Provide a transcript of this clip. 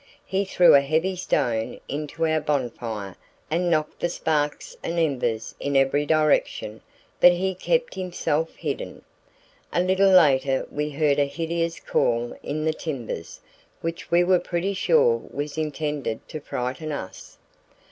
He threw a heavy stone into our bonfire and knocked the sparks and embers in every direction, but he kept himself hidden. A little later we heard a hideous call in the timbers, which we were pretty sure was intended to frighten us."